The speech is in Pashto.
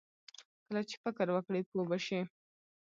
کله چې فکر وکړې، پوه به شې!